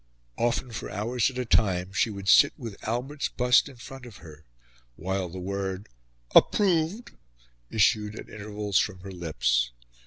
Often, for hours at a time, she would sit, with Albert's bust in front of her, while the word "Approved" issued at intervals from her lips.